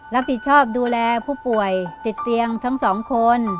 รับผิดชอบดูแลผู้ป่วยติดเตียงทั้งสองคน